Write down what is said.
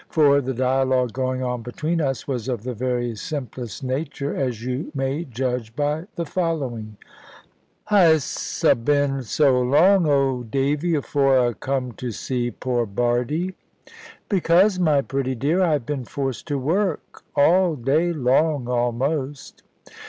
For the dialogue going on between us was of the very simplest nature, as you may judge by the following: "Hy'se 'a been so long, old Davy, afore 'a come to see poor Bardie?" "Because, my pretty dear, I have been forced to work, all day long almost."